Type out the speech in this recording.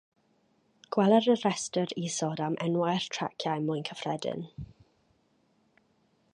Gweler y rhestr isod am enwau'r traciau mwy cyffredin.